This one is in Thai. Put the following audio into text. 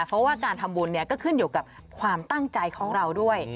เพราะว่าการทำบุญก็ขึ้นอยู่กับความตั้งใจของเราด้วย